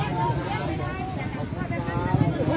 มันกลายเป็นอันดับอันดับ